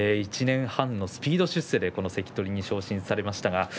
１年半のスピード出世でこの関取に昇進されました。